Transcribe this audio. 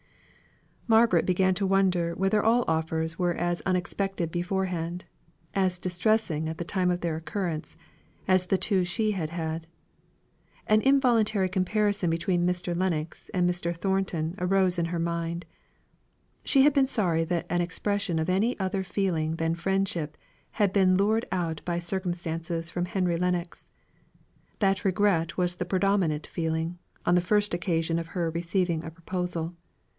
Margaret began to wonder whether all offers were as unexpected beforehand, as distressing at the time of their occurrence, as the two she had had. An involuntary comparison between Mr. Lennox and Mr. Thornton arose in her mind. She had been sorry, that an expression of any other feeling than friendship had been lured out by circumstances from Henry Lennox. That regret was the predominant feeling, on the first occasion of her receiving a proposal.